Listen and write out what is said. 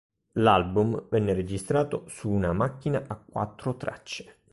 L'album venne registrato su una macchina a quattro tracce.